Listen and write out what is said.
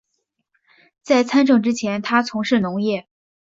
在参政之前他从事农业。